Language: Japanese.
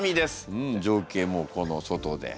うん情景もこの外で。